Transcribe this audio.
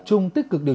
thứ bốn là kết